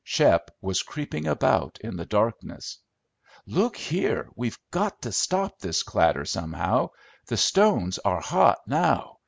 Shep was creeping about in the darkness. "Look here! We've got to stop this clatter somehow. The stones are hot now.